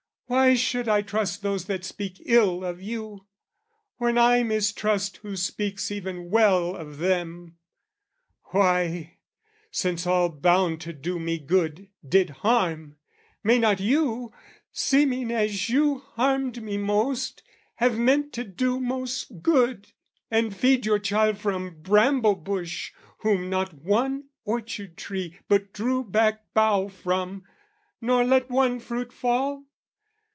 Why should I trust those that speak ill of you, When I mistrust who speaks even well of them? Why, since all bound to do me good, did harm, May not you, seeming as you harmed me most, Have meant to do most good and feed your child From bramble bush, whom not one orchard tree But drew back bough from, nor let one fruit fall?